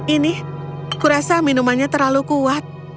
ini kurasa minumannya terlalu kuat